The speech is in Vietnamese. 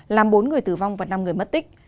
làm bốn người tử vong và năm người mất tích